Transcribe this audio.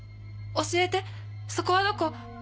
教えてそこはどこ？